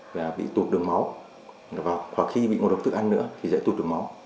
và bị tụt đường máu hoặc khi bị ngội độc thức ăn nữa thì sẽ tụt đường máu